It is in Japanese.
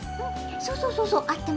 そうそうそうそうあってますよ。